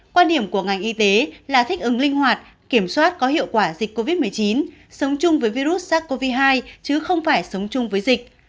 quan điểm của ngành y tế là thích ứng linh hoạt kiểm soát có hiệu quả dịch covid một mươi chín sống chung với virus sars cov hai chứ không phải sống chung với dịch